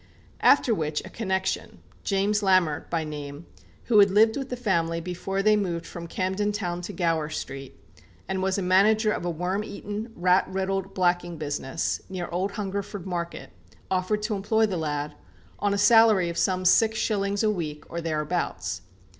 After which a connection, James Lamert by name, who had lived with the family before they moved from Camden Town to Gower Street, and was manager of a worm eaten, rat riddled blacking business, near old Hungerford Market, offered to employ the lad, on a salary of some six shillings a week, or thereabouts.